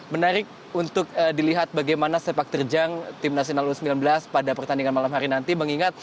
menarik untuk dilihat bagaimana sepak terjang tim nasional u sembilan belas pada pertandingan malam hari nanti mengingat